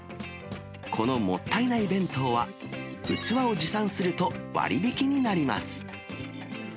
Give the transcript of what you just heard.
このもったいない弁当は、器を持参すると割引になります。